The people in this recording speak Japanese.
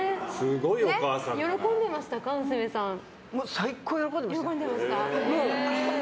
最高に喜んでましたよ。